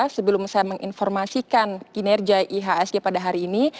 sebelum saya menginformasikan kinerja ihsg pada hari ini